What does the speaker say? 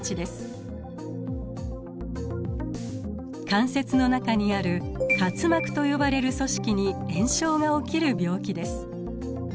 関節の中にある滑膜と呼ばれる組織に炎症が起きる病気です。